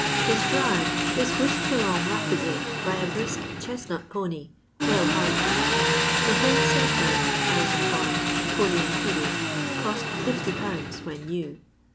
His " drag" is whisked along rapidly by a brisk chestnut poney, well harnessed. The " whole set out," I was informed, poney included, cost 50^ when new.